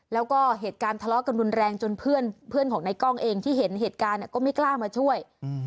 แล้วก็เหตุการณ์ทะเลาะกันรุนแรงจนเพื่อนของในกล้องเองที่เห็นเหตุการณ์ก็ไม่กล้ามาช่วย